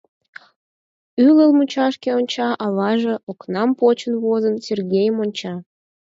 Ӱлыл мучашке онча, аваже, окнам почын возын, Сергейым онча.